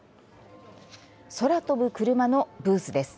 空飛ぶクルマのブースです。